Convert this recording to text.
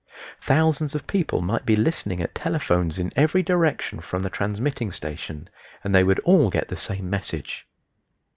Thousands of people might be listening at telephones in every direction from the transmitting station, and they would all get the same message.